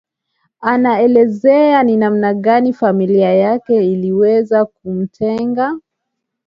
anaelezea ni namna gani familia yake iliweza kumtenga